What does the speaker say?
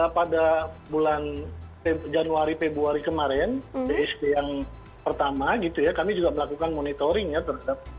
pada bulan januari februari kemarin bsd yang pertama gitu ya kami juga melakukan monitoring ya terhadap